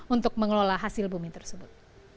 untuk mengelola hasil bumi tersebut